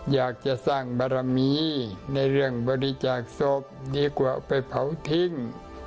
อยากจะสร้างบารมีในเรื่องบริจาคศพดีกว่าเอาไปเผาทิ้ง